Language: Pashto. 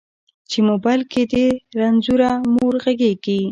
چې موبایل کې دې رنځوره مور غږیږي